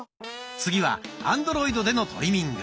次はアンドロイドでのトリミング。